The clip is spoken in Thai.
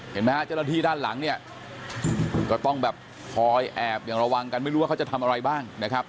เห็นไหมฮะเจ้าหน้าที่ด้านหลังเนี่ยก็ต้องแบบคอยแอบอย่างระวังกันไม่รู้ว่าเขาจะทำอะไรบ้างนะครับ